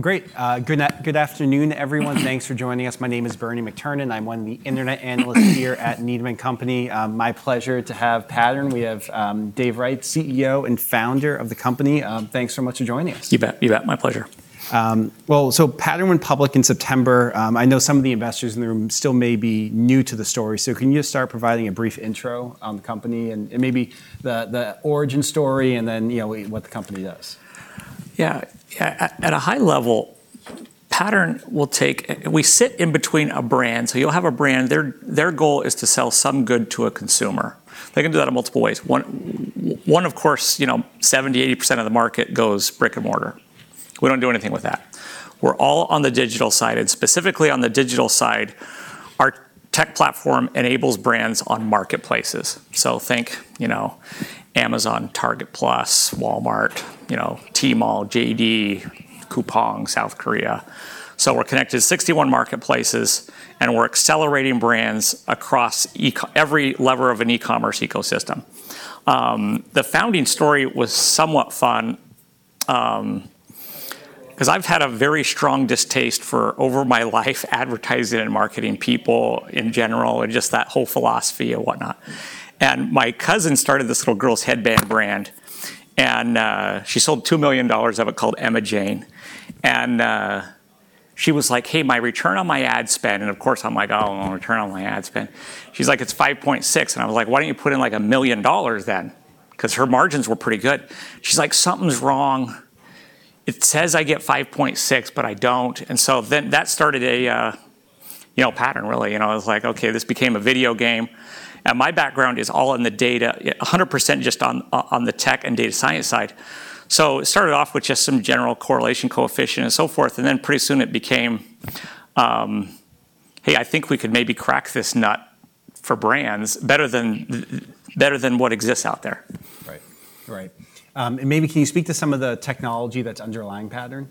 Great. Good afternoon, everyone. Thanks for joining us. My name is Bernie McTernan. I'm one of the internet analysts here at Needham & Company. My pleasure to have Pattern. We have Dave Wright, CEO and founder of the company. Thanks so much for joining us. You bet. You bet. My pleasure. Pattern went public in September. I know some of the investors in the room still may be new to the story. Can you just start providing a brief intro on the company and maybe the origin story and then what the company does? Yeah. At a high level, Pattern will take. We sit in between a brand. So you'll have a brand. Their goal is to sell some good to a consumer. They can do that in multiple ways. One, of course, 70%, 80% of the market goes brick and mortar. We don't do anything with that. We're all on the digital side, and specifically on the digital side, our tech platform enables brands on marketplaces. So think Amazon, Target Plus, Walmart, Tmall, JD, Coupang, South Korea. So we're connected to 61 marketplaces, and we're accelerating brands across every lever of an e-commerce ecosystem. The founding story was somewhat fun because I've had a very strong distaste for, over my life, advertising and marketing people in general and just that whole philosophy and whatnot, and my cousin started this little girl's headband brand. And she sold $2 million of it called Emma Jane. She was like, "Hey, my return on my ad spend," and of course, I'm like, "Oh, return on my ad spend." She's like, "It's 5.6." And I was like, "Why don't you put in like $1 million then?" Because her margins were pretty good. She's like, "Something's wrong. It says I get 5.6, but I don't." And so then that started a pattern, really. I was like, "OK, this became a video game." And my background is all in the data, 100% just on the tech and data science side. So it started off with just some general correlation coefficient and so forth. And then pretty soon it became, "Hey, I think we could maybe crack this nut for brands better than what exists out there. Right. Right. And maybe can you speak to some of the technology that's underlying Pattern?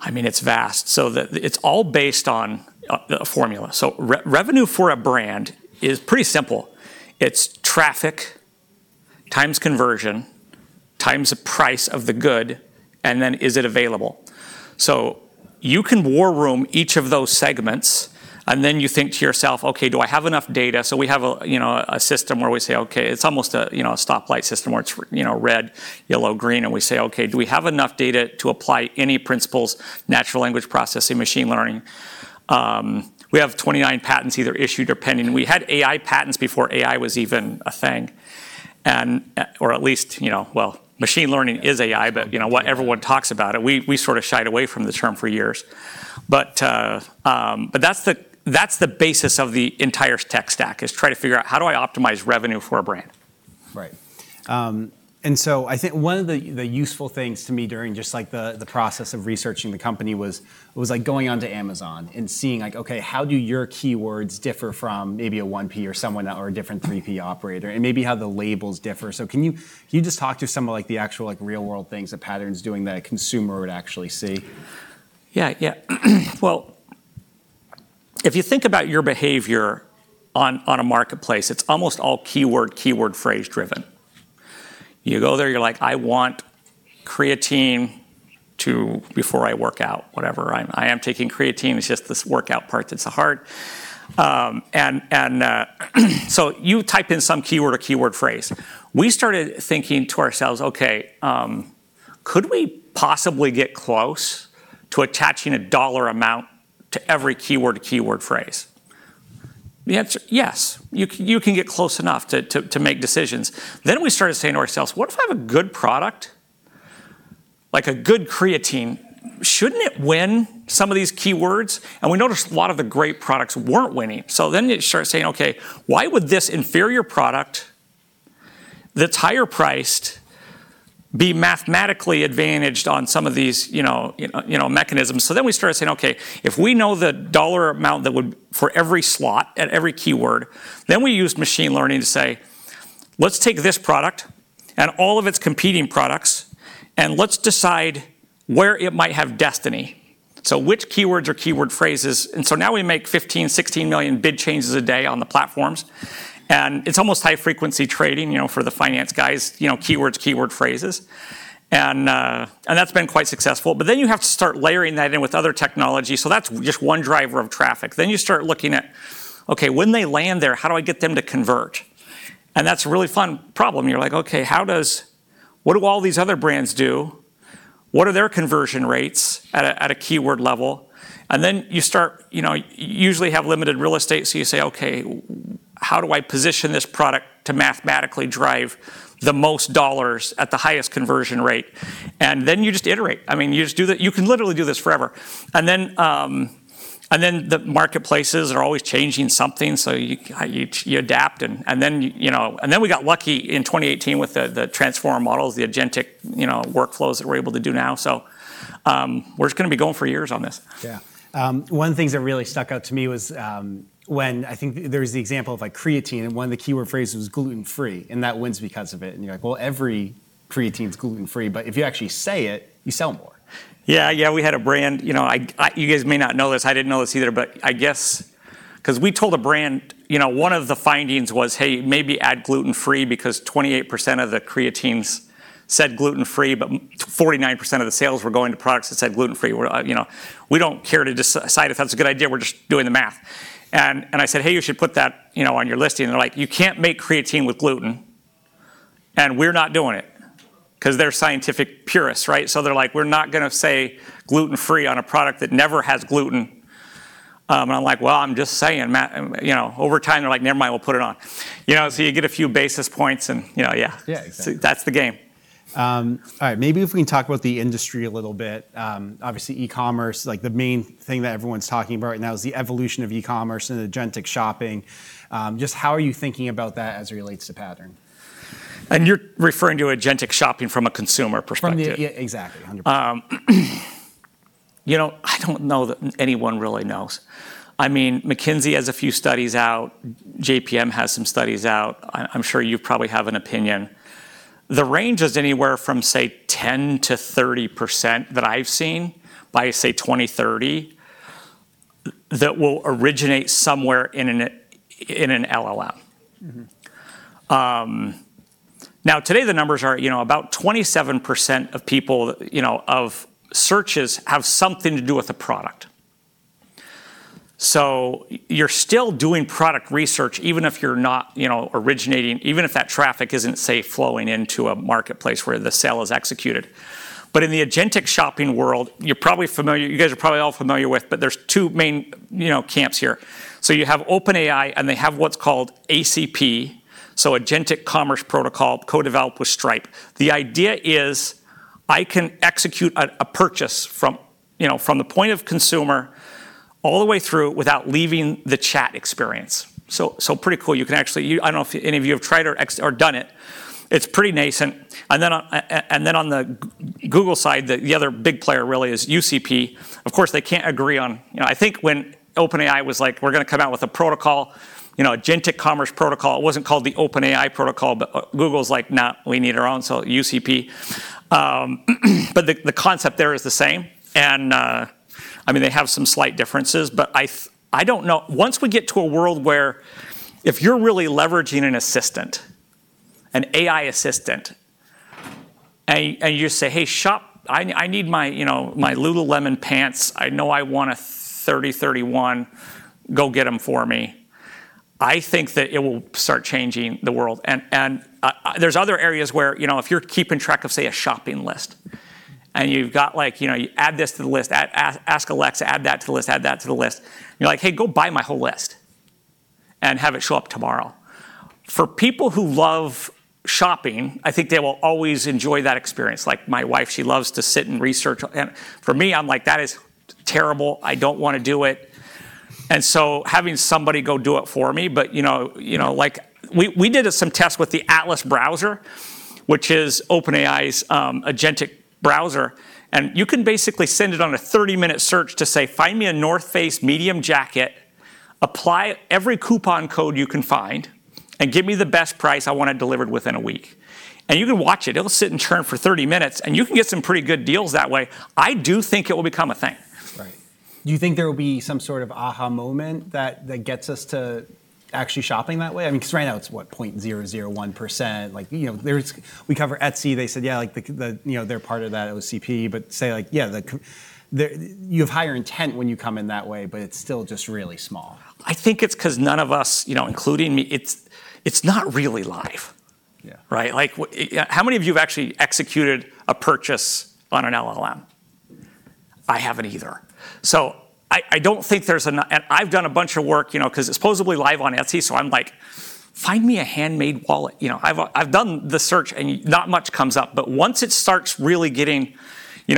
I mean, it's vast, so it's all based on a formula, so revenue for a brand is pretty simple. It's traffic times conversion times the price of the good, and then is it available? So you can war room each of those segments, and then you think to yourself, "OK, do I have enough data?" So we have a system where we say, "OK," it's almost a stoplight system where it's red, yellow, green, and we say, "OK, do we have enough data to apply any principles, natural language processing, machine learning?" We have 29 patents either issued or pending. We had AI patents before AI was even a thing, or at least, well, machine learning is AI, but what everyone talks about, and we sort of shied away from the term for years. But that's the basis of the entire tech stack is trying to figure out how do I optimize revenue for a brand. Right. And so I think one of the useful things to me during just the process of researching the company was going on to Amazon and seeing, like, "OK, how do your keywords differ from maybe a 1P or someone or a different 3P operator?" And maybe how the labels differ. So can you just talk to some of the actual real-world things that Pattern's doing that a consumer would actually see? Yeah. Yeah. Well, if you think about your behavior on a marketplace, it's almost all keyword, keyword phrase driven. You go there, you're like, "I want creatine before I work out," whatever. I am taking creatine. It's just this workout part that's hard. And so you type in some keyword or keyword phrase. We started thinking to ourselves, "OK, could we possibly get close to attaching a dollar amount to every keyword or keyword phrase?" The answer, yes. You can get close enough to make decisions. Then we started saying to ourselves, "What if I have a good product, like a good creatine? Shouldn't it win some of these keywords?" And we noticed a lot of the great products weren't winning. So then you start saying, "OK, why would this inferior product that's higher priced be mathematically advantaged on some of these mechanisms?" So then we started saying, "OK, if we know the dollar amount that would for every slot at every keyword, then we use machine learning to say, let's take this product and all of its competing products, and let's decide where it might have destiny." So which keywords or keyword phrases? And so now we make 15 million-16 million bid changes a day on the platforms. And it's almost high-frequency trading for the finance guys, keywords, keyword phrases. And that's been quite successful. But then you have to start layering that in with other technology. So that's just one driver of traffic. Then you start looking at, "OK, when they land there, how do I get them to convert?" And that's a really fun problem. You're like, "OK, what do all these other brands do? What are their conversion rates at a keyword level?" And then you start, you usually have limited real estate. So you say, "OK, how do I position this product to mathematically drive the most dollars at the highest conversion rate?" And then you just iterate. I mean, you just do that. You can literally do this forever. And then the marketplaces are always changing something. So you adapt. And then we got lucky in 2018 with the Transformer models, the agentic workflows that we're able to do now. So we're just going to be going for years on this. Yeah. One of the things that really stuck out to me was when I think there was the example of creatine, and one of the keyword phrases was gluten-free. And that wins because of it. And you're like, "Well, every creatine is gluten-free. But if you actually say it, you sell more. Yeah. Yeah. We had a brand. You guys may not know this. I didn't know this either. But I guess because we told a brand, one of the findings was, "Hey, maybe add gluten-free because 28% of the creatines said gluten-free, but 49% of the sales were going to products that said gluten-free. We don't care to decide if that's a good idea. We're just doing the math." And I said, "Hey, you should put that on your listing." They're like, "You can't make creatine with gluten." And we're not doing it because they're scientific purists, right? So they're like, "We're not going to say gluten-free on a product that never has gluten." And I'm like, "Well, I'm just saying." Over time, they're like, "Never mind. We'll put it on." So you get a few basis points. And yeah. Yeah. Exactly. That's the game. All right. Maybe if we can talk about the industry a little bit. Obviously, e-commerce, the main thing that everyone's talking about right now is the evolution of e-commerce and agentic shopping. Just how are you thinking about that as it relates to Pattern? You're referring to agentic shopping from a consumer perspective? Exactly. 100%. I don't know that anyone really knows. I mean, McKinsey has a few studies out. JPM has some studies out. I'm sure you probably have an opinion. The range is anywhere from, say, 10%-30% that I've seen by, say, 2030 that will originate somewhere in an LLM. Now, today, the numbers are about 27% of people's searches have something to do with a product. So you're still doing product research, even if you're not originating, even if that traffic isn't, say, flowing into a marketplace where the sale is executed. But in the agentic shopping world, you're probably familiar you guys are probably all familiar with, but there's two main camps here. So you have OpenAI, and they have what's called ACP, so Agentic Commerce Protocol, co-developed with Stripe. The idea is, I can execute a purchase from the point of consumer all the way through without leaving the chat experience. So pretty cool. You can actually, I don't know if any of you have tried or done it. It's pretty nascent. And then on the Google side, the other big player really is UCP. Of course, they can't agree on, I think when OpenAI was like, "We're going to come out with a protocol, agentic commerce protocol," it wasn't called the OpenAI protocol. But Google was like, "No, we need our own." So UCP. But the concept there is the same. And I mean, they have some slight differences. But I don't know. Once we get to a world where if you're really leveraging an assistant, an AI assistant, and you say, "Hey, shop, I need my Lululemon pants. I know I want a 30, 31. Go get them for me," I think that it will start changing the world, and there's other areas where if you're keeping track of, say, a shopping list, and you've got like, "You add this to the list. Ask Alexa, add that to the list. Add that to the list." You're like, "Hey, go buy my whole list and have it show up tomorrow." For people who love shopping, I think they will always enjoy that experience. Like my wife, she loves to sit and research, and for me, I'm like, "That is terrible. I don't want to do it," and so having somebody go do it for me, but we did some tests with the Atlas browser, which is OpenAI's agentic browser. And you can basically send it on a 30-minute search to say, "Find me a North Face medium jacket, apply every coupon code you can find, and give me the best price. I want it delivered within a week." And you can watch it. It'll sit and churn for 30 minutes. And you can get some pretty good deals that way. I do think it will become a thing. Right. Do you think there will be some sort of aha moment that gets us to actually shopping that way? I mean, because right now it's, what, 0.001%? We cover Etsy. They said, "Yeah, they're part of that ACP." But say, like, "Yeah, you have higher intent when you come in that way, but it's still just really small. I think it's because none of us, including me, it's not really live. Right? How many of you have actually executed a purchase on an LLM? I haven't either, so I don't think there's a and I've done a bunch of work because it's supposedly live on Etsy, so I'm like, "Find me a handmade wallet." I've done the search, and not much comes up, but once it starts really getting, I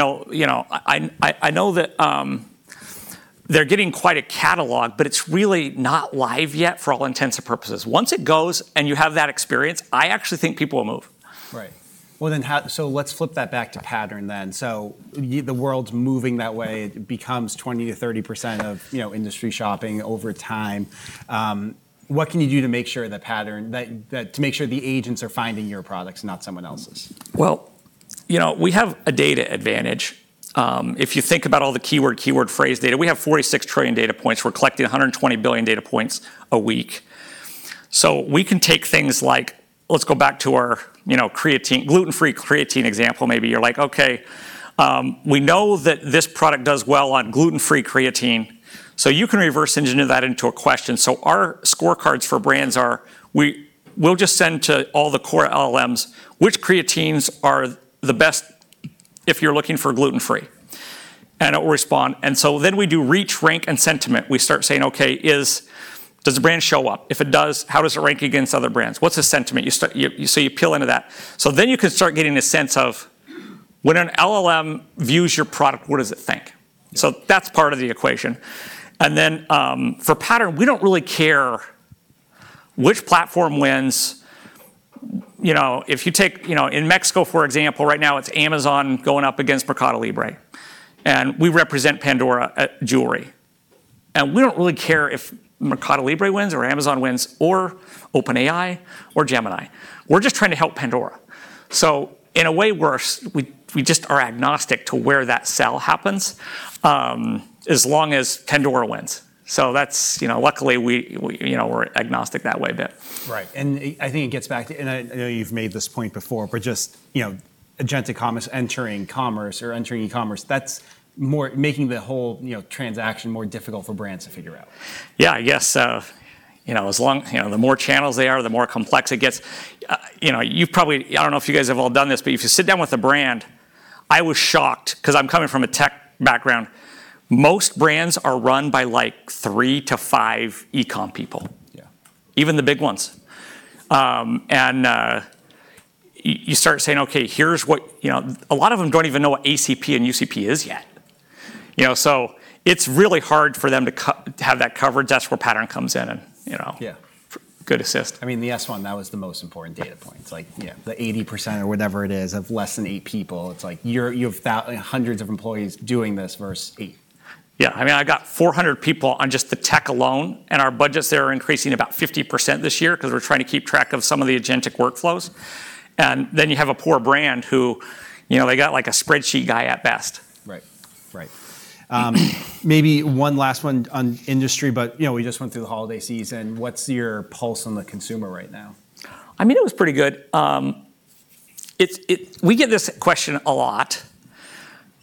know that they're getting quite a catalog, but it's really not live yet for all intents and purposes. Once it goes and you have that experience, I actually think people will move. Right. Well, then so let's flip that back to Pattern then. So the world's moving that way. It becomes 20%-30% of industry shopping over time. What can you do to make sure that Pattern to make sure the agents are finding your products, not someone else's? We have a data advantage. If you think about all the keyword, keyword phrase data, we have 46 trillion data points. We're collecting 120 billion data points a week. We can take things like let's go back to our gluten-free creatine example. Maybe you're like, "OK, we know that this product does well on gluten-free creatine." You can reverse engineer that into a question. Our scorecards for brands are, we'll just send to all the core LLMs, which creatines are the best if you're looking for gluten-free. It will respond. We do reach, rank, and sentiment. We start saying, "OK, does the brand show up? If it does, how does it rank against other brands? What's the sentiment?" You peel into that. You can start getting a sense of when an LLM views your product, what does it think? So that's part of the equation. And then for Pattern, we don't really care which platform wins. If you take in Mexico, for example, right now it's Amazon going up against MercadoLibre. And we represent Pandora jewelry. And we don't really care if MercadoLibre wins or Amazon wins or OpenAI or Gemini. We're just trying to help Pandora. So in a way, we just are agnostic to where that sale happens as long as Pandora wins. So luckily, we're agnostic that way a bit. Right, and I think it gets back to, and I know you've made this point before, but just agentic commerce entering commerce or entering e-commerce, that's making the whole transaction more difficult for brands to figure out. Yeah. I guess as long as the more channels there are, the more complex it gets. I don't know if you guys have all done this, but if you sit down with a brand, I was shocked because I'm coming from a tech background. Most brands are run by like three to five e-com people, even the big ones. And you start saying, "OK, here's what" a lot of them don't even know what ACP and UCP is yet. So it's really hard for them to have that coverage. That's where Pattern comes in. And good assist. I mean, the S-1, that was the most important data point. It's like the 80% or whatever it is of less than eight people. It's like you have hundreds of employees doing this versus eight. Yeah. I mean, I got 400 people on just the tech alone. And our budgets there are increasing about 50% this year because we're trying to keep track of some of the agentic workflows. And then you have a poor brand who they got like a spreadsheet guy at best. Right. Right. Maybe one last one on industry. But we just went through the holiday season. What's your pulse on the consumer right now? I mean, it was pretty good. We get this question a lot.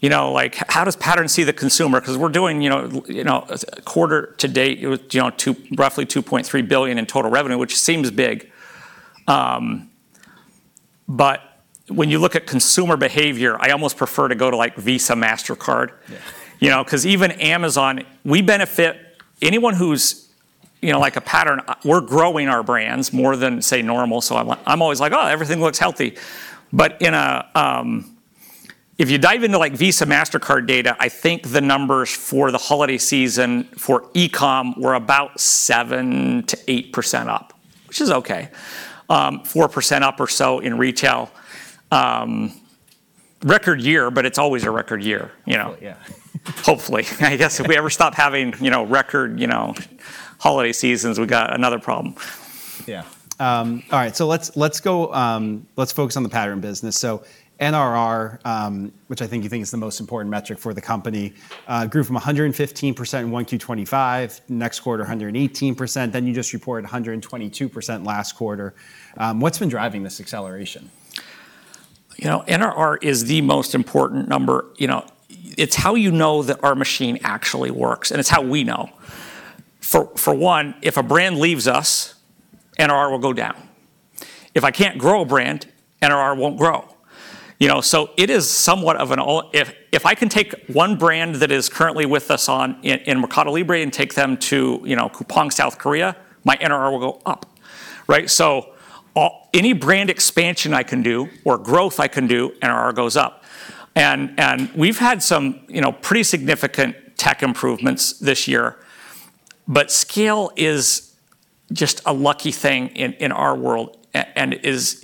Like, how does Pattern see the consumer? Because we're doing quarter to date, roughly $2.3 billion in total revenue, which seems big. But when you look at consumer behavior, I almost prefer to go to like Visa, Mastercard. Because even Amazon, we benefit anyone who's like a Pattern, we're growing our brands more than, say, normal. So I'm always like, "Oh, everything looks healthy." But if you dive into like Visa Mastercard data, I think the numbers for the holiday season for e-com were about 7%-8% up, which is OK, 4% up or so in retail. Record year, but it's always a record year. Yeah. Hopefully. I guess if we ever stop having record holiday seasons, we've got another problem. Yeah. All right. So let's focus on the Pattern business. So NRR, which I think you think is the most important metric for the company, grew from 115% in 1Q 2025, next quarter 118%. Then you just reported 122% last quarter. What's been driving this acceleration? NRR is the most important number. It's how you know that our machine actually works, and it's how we know. For one, if a brand leaves us, NRR will go down. If I can't grow a brand, NRR won't grow, so it is somewhat of an if I can take one brand that is currently with us on in MercadoLibre and take them to Coupang South Korea, my NRR will go up, right? So any brand expansion I can do or growth I can do, NRR goes up, and we've had some pretty significant tech improvements this year, but scale is just a lucky thing in our world and is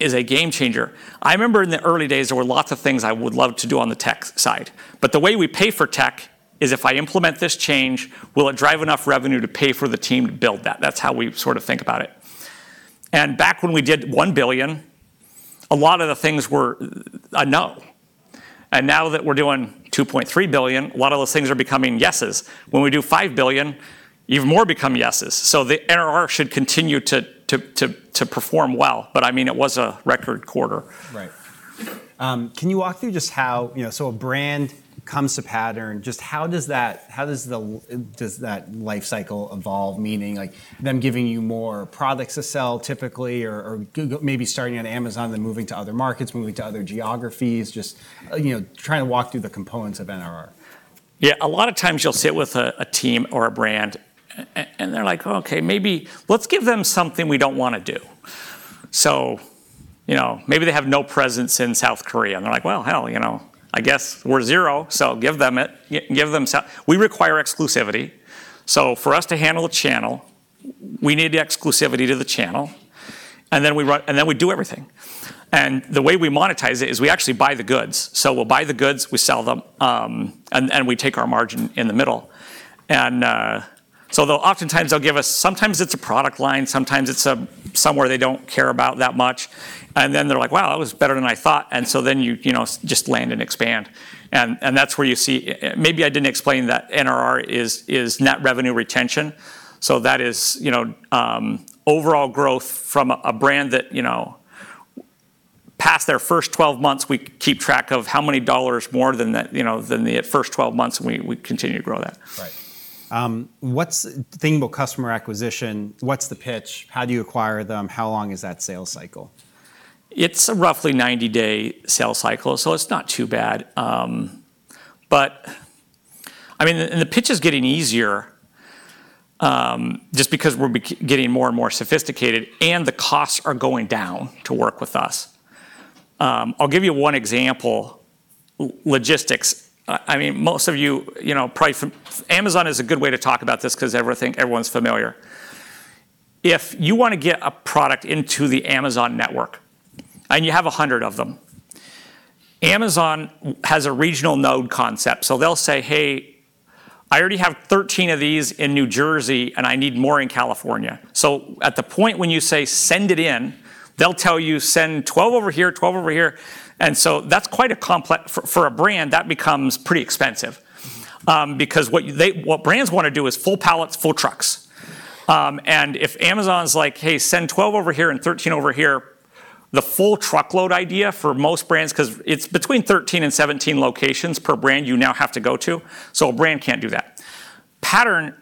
a game changer. I remember in the early days, there were lots of things I would love to do on the tech side. But the way we pay for tech is if I implement this change, will it drive enough revenue to pay for the team to build that? That's how we sort of think about it. And back when we did $1 billion, a lot of the things were a no. And now that we're doing $2.3 billion, a lot of those things are becoming yeses. When we do $5 billion, even more become yeses. So the NRR should continue to perform well. But I mean, it was a record quarter. Right. Can you walk through just how so a brand comes to Pattern, just how does that life cycle evolve? Meaning them giving you more products to sell typically or maybe starting on Amazon and moving to other markets, moving to other geographies, just trying to walk through the components of NRR? Yeah. A lot of times you'll sit with a team or a brand, and they're like, "OK, maybe let's give them something we don't want to do." So maybe they have no presence in South Korea. And they're like, "Well, hell, I guess we're zero. So give them it. We require exclusivity. So for us to handle a channel, we need exclusivity to the channel." And then we do everything. And the way we monetize it is we actually buy the goods. So we'll buy the goods, we sell them, and we take our margin in the middle. And so oftentimes they'll give us sometimes it's a product line. Sometimes it's somewhere they don't care about that much. And then they're like, "Wow, that was better than I thought." And so then you just land and expand. And that's where you see maybe I didn't explain that NRR is net revenue retention. So that is overall growth from a brand that passed their first 12 months. We keep track of how many dollars more than the first 12 months, and we continue to grow that. Right. Thinking about customer acquisition, what's the pitch? How do you acquire them? How long is that sales cycle? It's a roughly 90-day sales cycle. So it's not too bad. But I mean, and the pitch is getting easier just because we're getting more and more sophisticated, and the costs are going down to work with us. I'll give you one example, logistics. I mean, most of you probably, Amazon is a good way to talk about this because everyone's familiar. If you want to get a product into the Amazon network and you have 100 of them, Amazon has a regional node concept. So they'll say, "Hey, I already have 13 of these in New Jersey, and I need more in California." So at the point when you say, "Send it in," they'll tell you, "Send 12 over here, 12 over here." And so that's quite a complex for a brand. That becomes pretty expensive. Because what brands want to do is full pallets, full trucks. If Amazon's like, "Hey, send 12 over here and 13 over here," the full truckload idea for most brands because it's between 13 locations and 17 locations per brand you now have to go to. So a brand can't do that. Pattern,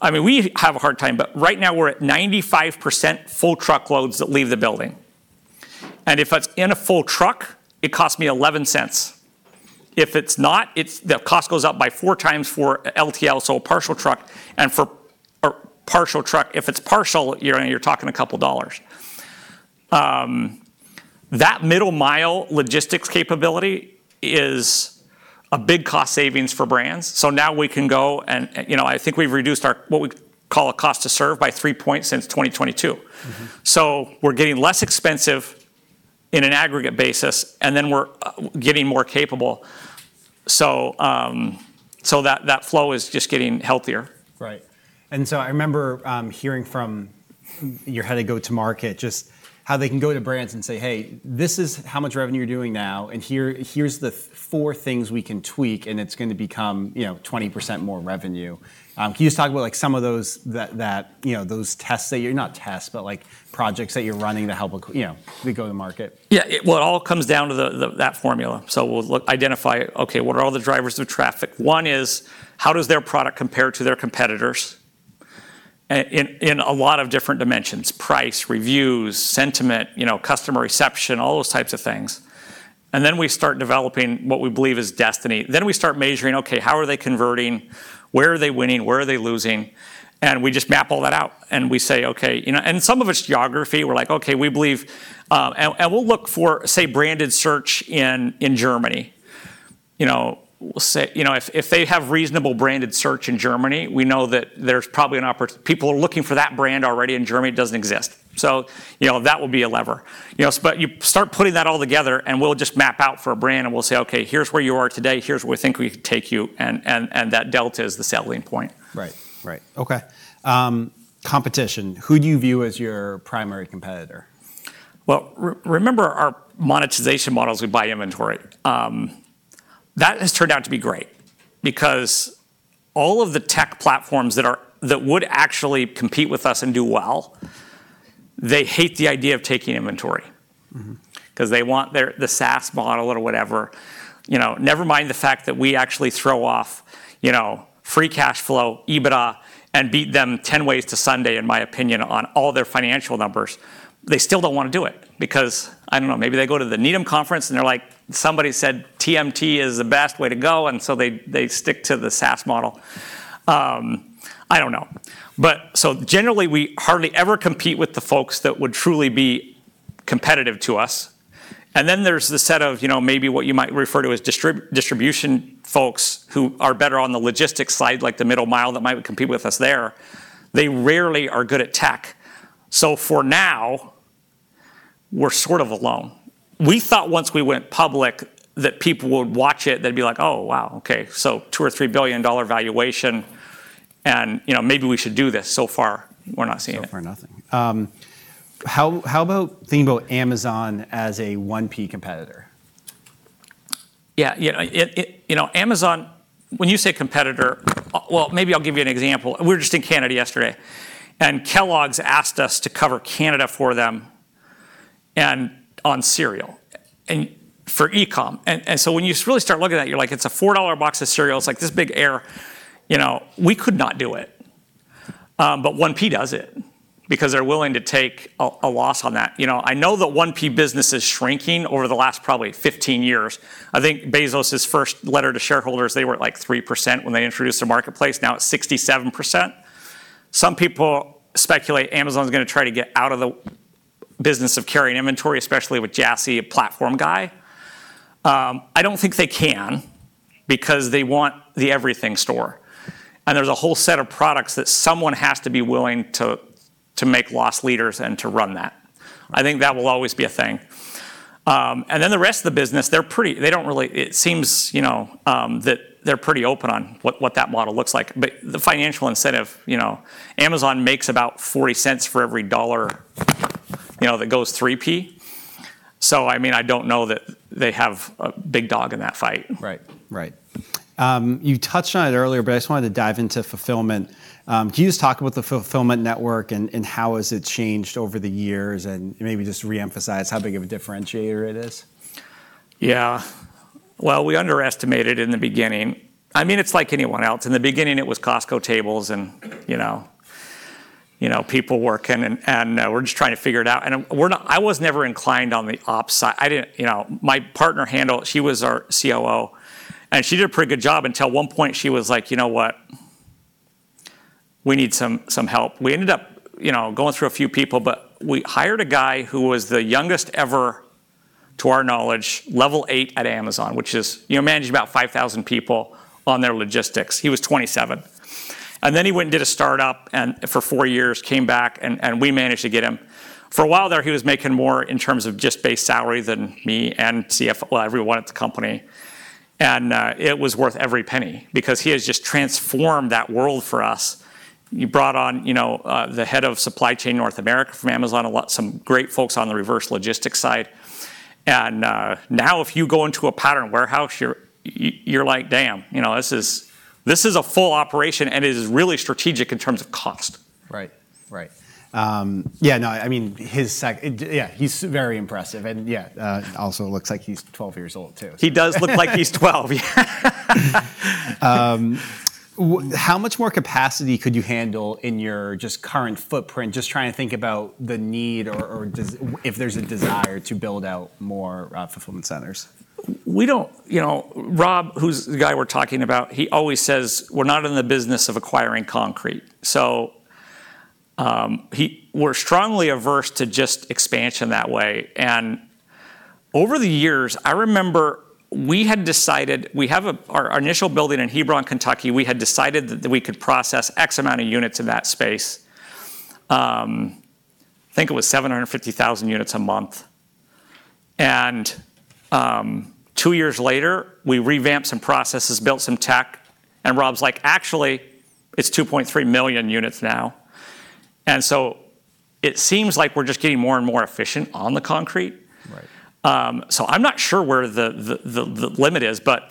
I mean, we have a hard time. But right now we're at 95% full truckloads that leave the building. And if it's in a full truck, it costs me $0.11. If it's not, the cost goes up by four times for LTL, so a partial truck. And for a partial truck, if it's partial, you're talking a couple of dollars. That middle-mile logistics capability is a big cost savings for brands. So now we can go and I think we've reduced our what we call a Cost to Serve by three points since 2022. So we're getting less expensive in an aggregate basis, and then we're getting more capable. So that flow is just getting healthier. Right. And so I remember hearing from your head of go-to-market just how they can go to brands and say, "Hey, this is how much revenue you're doing now. And here's the four things we can tweak, and it's going to become 20% more revenue." Can you just talk about some of those tests that you're not tests, but projects that you're running to help the go-to-market? Yeah. Well, it all comes down to that formula. So we'll identify, "OK, what are all the drivers of traffic?" One is, how does their product compare to their competitors in a lot of different dimensions: price, reviews, sentiment, customer reception, all those types of things. And then we start developing what we believe is destiny. Then we start measuring, "OK, how are they converting? Where are they winning? Where are they losing?" And we just map all that out. And we say, "OK." And some of it's geography. We're like, "OK, we believe" and we'll look for, say, branded search in Germany. If they have reasonable branded search in Germany, we know that there's probably an opportunity people are looking for that brand already in Germany doesn't exist. So that will be a lever. But you start putting that all together, and we'll just map out for a brand. And we'll say, "OK, here's where you are today. Here's where we think we can take you." And that delta is the selling point. Right. Right. OK. Competition. Who do you view as your primary competitor? Remember our monetization models. We buy inventory. That has turned out to be great because all of the tech platforms that would actually compete with us and do well, they hate the idea of taking inventory because they want the SaaS model or whatever. Never mind the fact that we actually throw off free cash flow, EBITDA, and beat them 10 ways to Sunday, in my opinion, on all their financial numbers. They still don't want to do it because I don't know. Maybe they go to the Needham conference, and they're like, "Somebody said TMT is the best way to go." And so they stick to the SaaS model. I don't know. But so generally, we hardly ever compete with the folks that would truly be competitive to us. And then there's the set of maybe what you might refer to as distribution folks who are better on the logistics side, like the middle-mile that might compete with us there. They rarely are good at tech. So for now, we're sort of alone. We thought once we went public that people would watch it. They'd be like, "Oh, wow. OK, so $2-$3 billion valuation. And maybe we should do this." So far, we're not seeing it. So far, nothing. How about thinking about Amazon as a 1P competitor? Yeah. Amazon, when you say competitor, well, maybe I'll give you an example. We were just in Canada yesterday, and Kellogg's asked us to cover Canada for them on cereal for e-com. So when you really start looking at it, you're like, "It's a $4 box of cereal. It's like this big, yeah." We could not do it, but 1P does it because they're willing to take a loss on that. I know that 1P business is shrinking over the last probably 15 years. I think Bezos' first letter to shareholders, they were at like 3% when they introduced the marketplace. Now it's 67%. Some people speculate Amazon's going to try to get out of the business of carrying inventory, especially with Jassy, a platform guy. I don't think they can because they want the everything store. And there's a whole set of products that someone has to be willing to make loss leaders and to run that. I think that will always be a thing. And then the rest of the business, they don't really it seems that they're pretty open on what that model looks like. But the financial incentive, Amazon makes about $0.40 for every dollar that goes 3P. So I mean, I don't know that they have a big dog in that fight. Right. Right. You touched on it earlier, but I just wanted to dive into fulfillment. Can you just talk about the fulfillment network and how has it changed over the years and maybe just reemphasize how big of a differentiator it is? Yeah. Well, we underestimated in the beginning. I mean, it's like anyone else. In the beginning, it was Costco tables and people working. And we're just trying to figure it out. And I was never inclined on the ops side. My partner handled. She was our COO. And she did a pretty good job until one point she was like, "You know what? We need some help." We ended up going through a few people. But we hired a guy who was the youngest ever, to our knowledge, Level 8 at Amazon, which is managing about 5,000 people on their logistics. He was 27. And then he went and did a startup for four years, came back, and we managed to get him. For a while there, he was making more in terms of just base salary than me and CFO, everyone at the company. And it was worth every penny because he has just transformed that world for us. He brought on the head of supply chain North America from Amazon, some great folks on the reverse logistics side. And now if you go into a Pattern warehouse, you're like, "Damn, this is a full operation." And it is really strategic in terms of cost. Right. Yeah. No, I mean, he's very impressive. And yeah, also it looks like he's 12 years old too. He does look like he's 12. Yeah. How much more capacity could you handle in your just current footprint, just trying to think about the need or if there's a desire to build out more fulfillment centers? We don't. Rob, who's the guy we're talking about, he always says, "We're not in the business of acquiring concrete." So we're strongly averse to just expansion that way, and over the years, I remember we had decided we have our initial building in Hebron, Kentucky. We had decided that we could process X amount of units in that space. I think it was 750,000 units a month, and two years later, we revamped some processes, built some tech, and Rob's like, "Actually, it's 2.3 million units now," and so it seems like we're just getting more and more efficient on the concrete, so I'm not sure where the limit is, but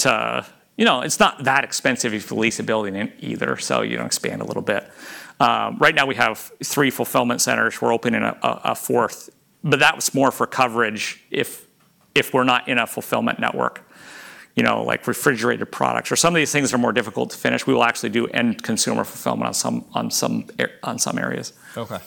it's not that expensive if you lease a building in either, so you expand a little bit. Right now, we have three fulfillment centers. We're opening a fourth. But that was more for coverage if we're not in a fulfillment network, like refrigerated products or some of these things are more difficult to finish. We will actually do end consumer fulfillment on some areas. OK.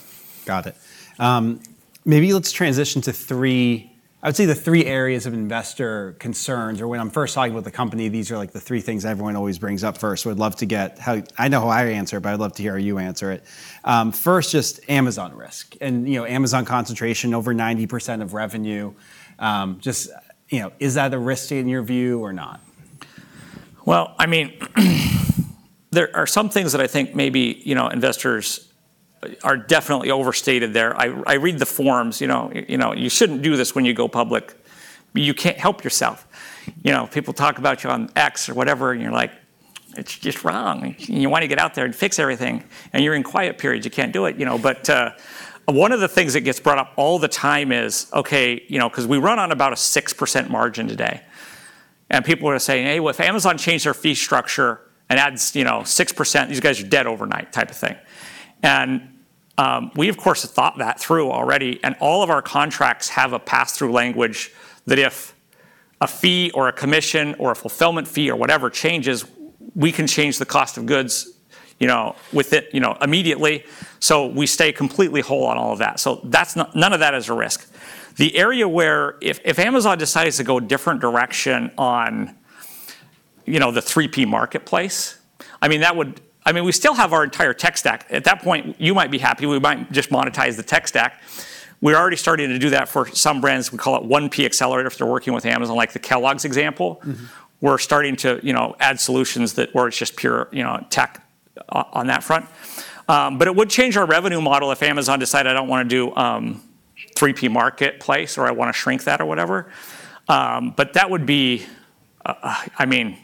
Got it. Maybe let's transition to three, I would say, the three areas of investor concerns. Or when I'm first talking about the company, these are like the three things everyone always brings up first. So I'd love to get how I know how I answer it, but I'd love to hear how you answer it. First, just Amazon risk and Amazon concentration, over 90% of revenue. Just is that a risk in your view or not? Well, I mean, there are some things that I think maybe investors are definitely overstated there. I read the forums. You shouldn't do this when you go public. You can't help yourself. People talk about you on X or whatever, and you're like, "It's just wrong." And you want to get out there and fix everything. And you're in quiet periods. You can't do it. But one of the things that gets brought up all the time is, "OK, because we run on about a 6% margin today." And people are saying, "Hey, well, if Amazon changed their fee structure and adds 6%, these guys are dead overnight," type of thing. And we, of course, have thought that through already. All of our contracts have a pass-through language that if a fee or a commission or a fulfillment fee or whatever changes, we can change the cost of goods immediately. We stay completely whole on all of that. None of that is a risk. The area where if Amazon decides to go a different direction on the 3P marketplace, I mean, that would I mean, we still have our entire tech stack. At that point, you might be happy. We might just monetize the tech stack. We're already starting to do that for some brands. We call it 1P Accelerator if they're working with Amazon, like the Kellogg's example. We're starting to add solutions where it's just pure tech on that front. It would change our revenue model if Amazon decided, "I don't want to do 3P marketplace," or, "I want to shrink that," or whatever. But that would be, I mean,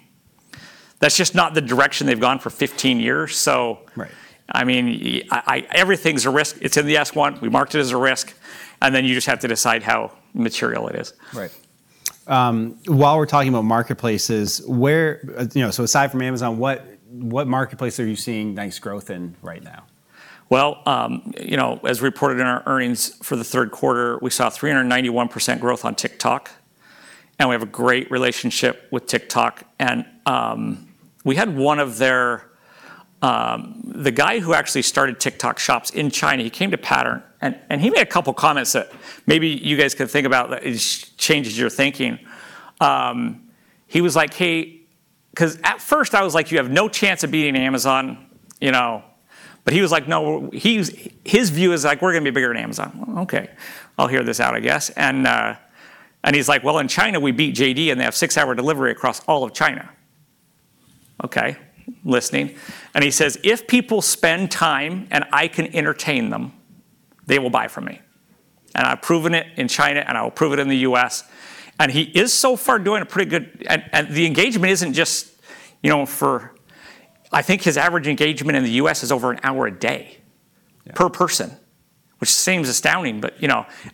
that's just not the direction they've gone for 15 years. So, I mean, everything's a risk. It's in the S-1. We marked it as a risk. And then you just have to decide how material it is. Right. While we're talking about marketplaces, so aside from Amazon, what marketplace are you seeing nice growth in right now? As reported in our earnings for the third quarter, we saw 391% growth on TikTok. We have a great relationship with TikTok. We had one of their, the guy who actually started TikTok shops in China. He came to Pattern. He made a couple of comments that maybe you guys could think about. That changes your thinking. He was like, "Hey," because at first, I was like, "You have no chance of beating Amazon." He was like, "No." His view is like, "We're going to be bigger than Amazon." OK. I'll hear this out, I guess. He was like, "Well, in China, we beat JD. They have six-hour delivery across all of China." OK. Listening. He says, "If people spend time and I can entertain them, they will buy from me. I've proven it in China. And I will prove it in the US." And he is so far doing a pretty good job, and the engagement isn't just for. I think his average engagement in the US is over an hour a day per person, which seems astounding.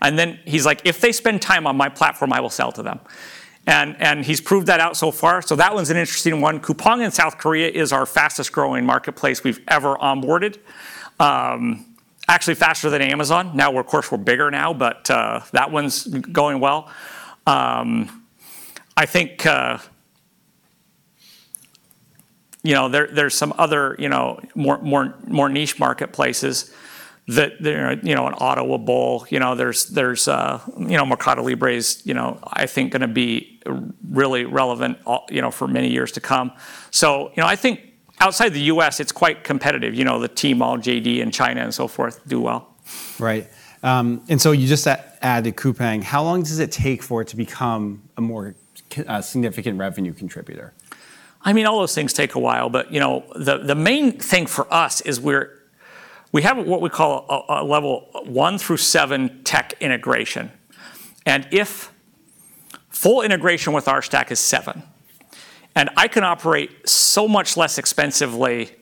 And then he's like, "If they spend time on my platform, I will sell to them." And he's proved that out so far. So that one's an interesting one. Coupang in South Korea is our fastest-growing marketplace we've ever onboarded, actually faster than Amazon. Now, of course, we're bigger now. But that one's going well. I think there's some other more niche marketplaces that an Alibaba. There's MercadoLibre, I think, going to be really relevant for many years to come. So I think outside the US, it's quite competitive. The team at JD and in China and so forth do well. Right. And so you just added Coupang. How long does it take for it to become a more significant revenue contributor? I mean, all those things take a while. But the main thing for us is we have what we call a level one through seven tech integration. And full integration with our stack is seven. And I can operate so much less expensively.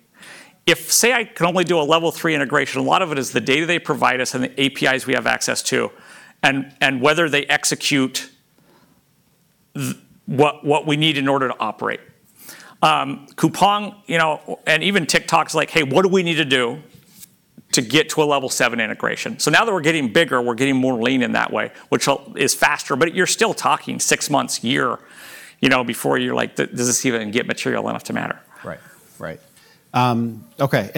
If, say, I can only do a level three integration, a lot of it is the data they provide us and the APIs we have access to and whether they execute what we need in order to operate. Coupang and even TikTok's like, "Hey, what do we need to do to get to a level seven integration?" So now that we're getting bigger, we're getting more lean in that way, which is faster. But you're still talking six months, year, before you're like, "Does this even get material enough to matter? Investor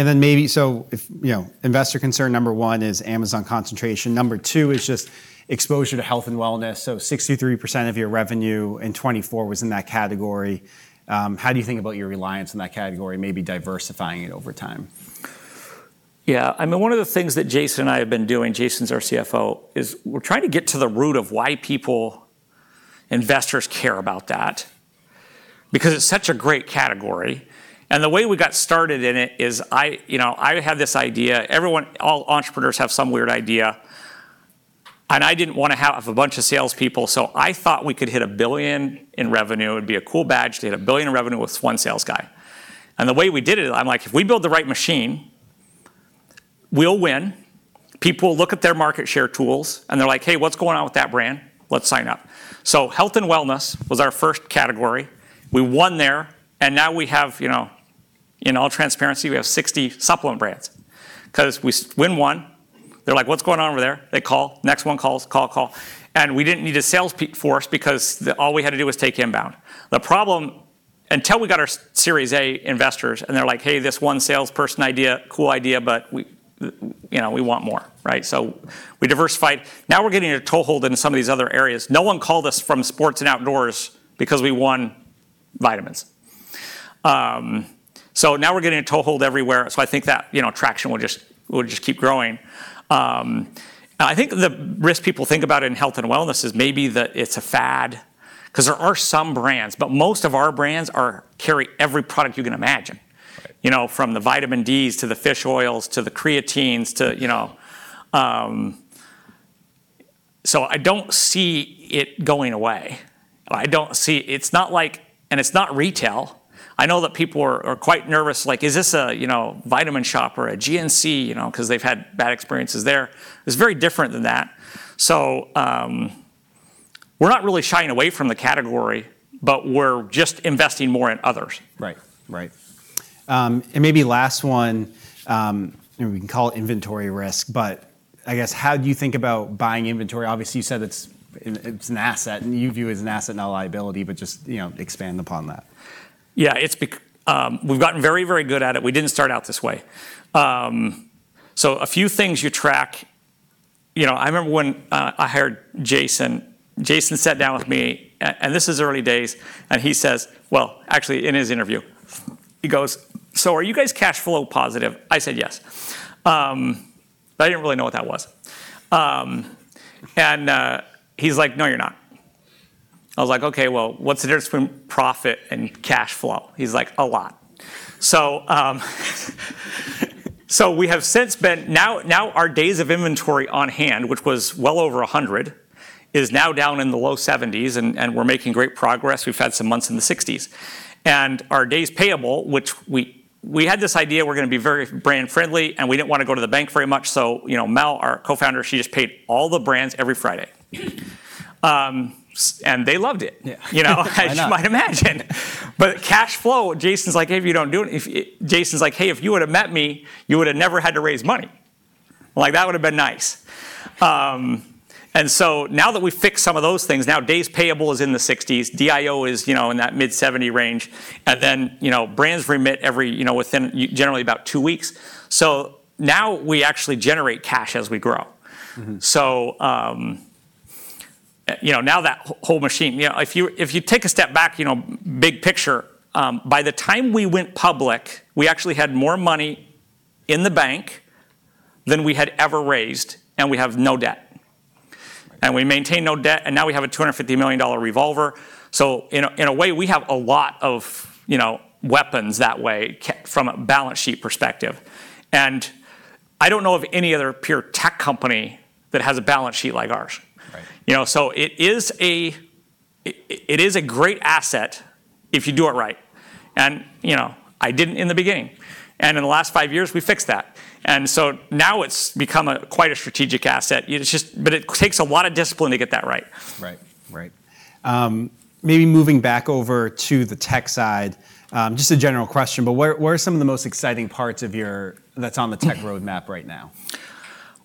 concern number one is Amazon concentration. Number two is just exposure to health and wellness. So 63% of your revenue in 2024 was in that category. How do you think about your reliance on that category, maybe diversifying it over time? Yeah. I mean, one of the things that Jason and I have been doing, Jason's our CFO, is we're trying to get to the root of why people, investors, care about that because it's such a great category. And the way we got started in it is I had this idea. All entrepreneurs have some weird idea. And I didn't want to have a bunch of salespeople. So I thought we could hit a billion in revenue. It would be a cool badge to hit a billion in revenue with one sales guy. And the way we did it, I'm like, "If we build the right machine, we'll win." People look at their market share tools. And they're like, "Hey, what's going on with that brand? Let's sign up." So health and wellness was our first category. We won there. And now we have, in all transparency, we have 60 supplement brands. Because we win one, they're like, "What's going on over there?" They call. Next one calls, call, call. And we didn't need a sales force because all we had to do was take inbound. The problem, until we got our Series A investors, and they're like, "Hey, this one salesperson idea, cool idea. But we want more." Right? So we diversified. Now we're getting a toehold in some of these other areas. No one called us from sports and outdoors because we won vitamins. So now we're getting a toehold everywhere. So I think that traction will just keep growing. I think the risk people think about in health and wellness is maybe that it's a fad because there are some brands. But most of our brands carry every product you can imagine, from the vitamin Ds to the fish oils to the creatines, so I don't see it going away. I don't see it. It's not like, and it's not retail. I know that people are quite nervous, like, "Is this a vitamin shop or a GNC?" Because they've had bad experiences there. It's very different than that. So we're not really shying away from the category. But we're just investing more in others. Right. Right. And maybe last one, we can call it inventory risk. But I guess, how do you think about buying inventory? Obviously, you said it's an asset. And you view it as an asset, not a liability. But just expand upon that. Yeah. We've gotten very, very good at it. We didn't start out this way. So a few things you track. I remember when I hired Jason. Jason sat down with me, and this is early days. And he says, well, actually, in his interview, he goes, "So are you guys cash flow positive?" I said, "Yes." I didn't really know what that was. And he's like, "No, you're not." I was like, "OK, well, what's the difference between profit and cash flow?" He's like, "A lot." So we have since been now our days of inventory on hand, which was well over 100, is now down in the low 70s. And we're making great progress. We've had some months in the 60s. And our days payable, which we had this idea we're going to be very brand friendly. And we didn't want to go to the bank very much. So Mel, our co-founder, she just paid all the brands every Friday. And they loved it, as you might imagine. But cash flow, Jason's like, "Hey, if you don't do it." Jason's like, "Hey, if you would have met me, you would have never had to raise money." Like, "That would have been nice." And so now that we've fixed some of those things, now days payable is in the 60s. DIO is in that mid-70 range. And then brands remit every within generally about two weeks. So now we actually generate cash as we grow. So now that whole machine, if you take a step back, big picture, by the time we went public, we actually had more money in the bank than we had ever raised. And we have no debt. And we maintain no debt. And now we have a $250 million revolver. So in a way, we have a lot of weapons that way from a balance sheet perspective. And I don't know of any other pure tech company that has a balance sheet like ours. So it is a great asset if you do it right. And I didn't in the beginning. And in the last five years, we fixed that. And so now it's become quite a strategic asset. But it takes a lot of discipline to get that right. Right. Right. Maybe moving back over to the tech side, just a general question. But what are some of the most exciting parts of your tech that's on the tech roadmap right now?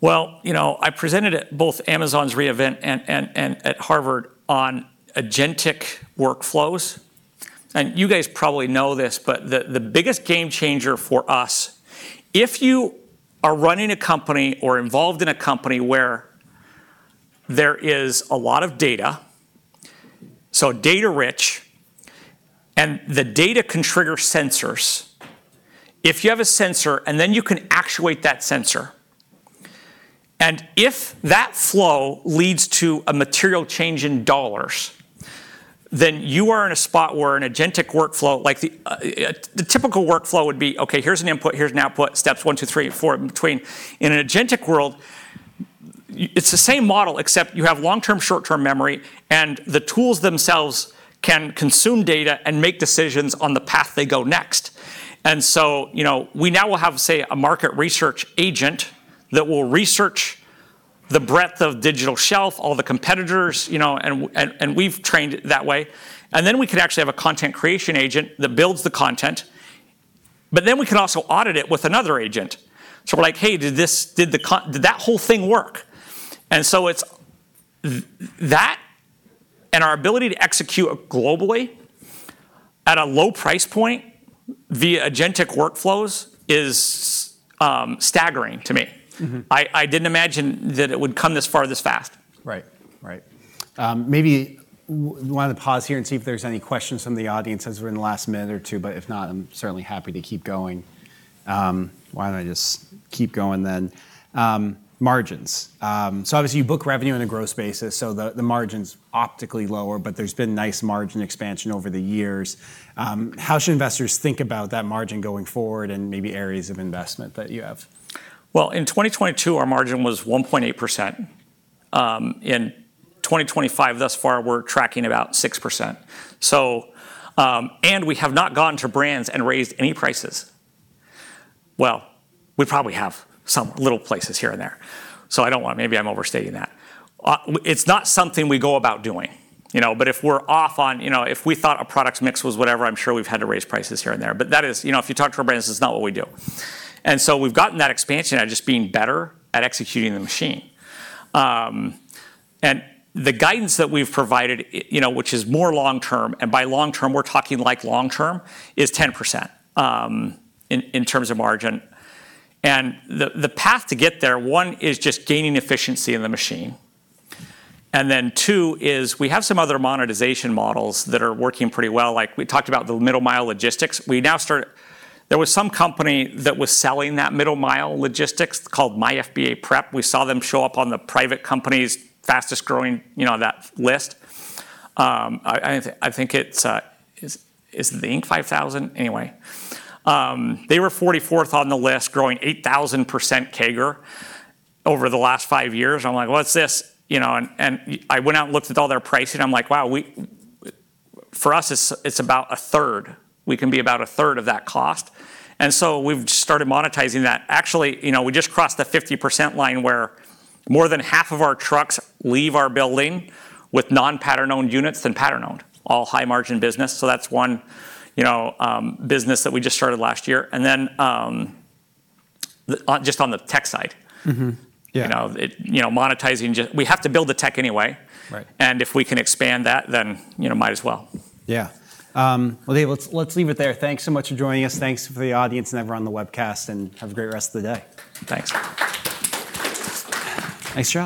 I presented at both Amazon's re:Invent and at Harvard on agentic workflows. You guys probably know this. The biggest game changer for us, if you are running a company or involved in a company where there is a lot of data, so data rich, and the data can trigger sensors, if you have a sensor and then you can actuate that sensor, and if that flow leads to a material change in dollars, then you are in a spot where an agentic workflow, like the typical workflow, would be, "OK, here's an input. Here's an output. Steps one, two, three, four in between." In an agentic world, it's the same model, except you have long-term, short-term memory. The tools themselves can consume data and make decisions on the path they go next. And so we now will have, say, a market research agent that will research the breadth of digital shelf, all the competitors. And we've trained it that way. And then we could actually have a content creation agent that builds the content. But then we can also audit it with another agent. So we're like, "Hey, did that whole thing work?" And so that and our ability to execute it globally at a low price point via agentic workflows is staggering to me. I didn't imagine that it would come this far this fast. Right. Right. Maybe we want to pause here and see if there's any questions from the audience as we're in the last minute or two. But if not, I'm certainly happy to keep going. Why don't I just keep going then? Margins. So obviously, you book revenue on a gross basis. So the margin's optically lower. But there's been nice margin expansion over the years. How should investors think about that margin going forward and maybe areas of investment that you have? In 2022, our margin was 1.8%. In 2025, thus far, we're tracking about 6%. We have not gone to brands and raised any prices. We probably have some little places here and there. I don't want to. Maybe I'm overstating that. It's not something we go about doing. If we're off on if we thought a product's mix was whatever, I'm sure we've had to raise prices here and there. That is, if you talk to our brands, it's not what we do. We've gotten that expansion at just being better at executing the machine. The guidance that we've provided, which is more long-term, and by long-term, we're talking like long-term, is 10% in terms of margin. The path to get there, one is just gaining efficiency in the machine. And then two is we have some other monetization models that are working pretty well. Like we talked about the middle-mile logistics. We now started. There was some company that was selling that middle-mile logistics called MyFBAPrep. We saw them show up on the private companies' fastest-growing list. I think it's the Inc. 5000. Anyway, they were 44th on the list, growing 8,000% CAGR over the last five years. I'm like, "What's this?" And I went out and looked at all their pricing. I'm like, "Wow, for us, it's about a third. We can be about a third of that cost." And so we've started monetizing that. Actually, we just crossed the 50% line where more than half of our trucks leave our building with non-Pattern-owned units than Pattern-owned, all high-margin business. So that's one business that we just started last year. And then just on the tech side, monetizing just we have to build the tech anyway. And if we can expand that, then might as well. Yeah. Well, Dave, let's leave it there. Thanks so much for joining us. Thanks for the audience and everyone on the webcast, and have a great rest of the day. Thanks. Nice job.